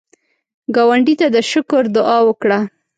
ګاونډي ته د شکر دعا وکړه